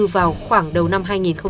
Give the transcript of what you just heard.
vào khoảng đầu năm hai nghìn hai mươi một